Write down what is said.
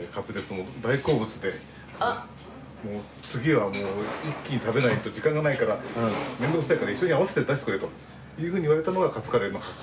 次は一気に食べないと時間がないから面倒くさいから一緒に合わせて出してくれというふうにいわれたのがカツカレーの発祥といわれております。